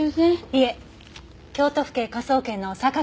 いえ京都府警科捜研の榊といいます。